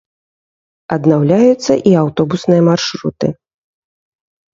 Аднаўляюцца і аўтобусныя маршруты.